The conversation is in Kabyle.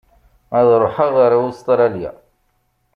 Ad ṛuḥeɣ ar Ustṛalya.